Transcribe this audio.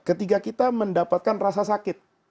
ketika kita mendapatkan rasa sakit